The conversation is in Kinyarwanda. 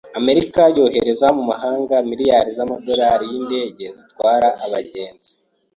Amerika yohereza mu mahanga miliyari z'amadolari y'indege zitwara abagenzi.